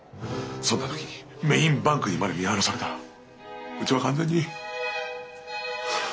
そんな時にメインバンクにまで見放されたらうちは完全に終わる。